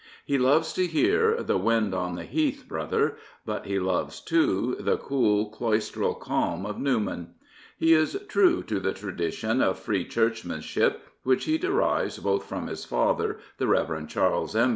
He loves to hear " the wind on the heath, brother "; but he loves, too, the cool, cloistral calm of Newman. He is true to the tradition oFFree Church manship, which he derives both from his father, the Rev. Charles M.